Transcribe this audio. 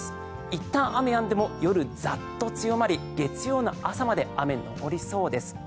いったん雨、やんでも夜ざっと強まり月曜の朝まで雨が残りそうです。